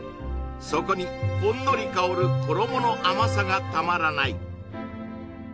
そこにほんのり香る衣の甘さがたまらない！